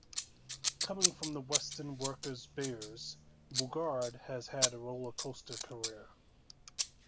Coming from the Weston Workers Bears, Boogaard has had a rollercoaster career.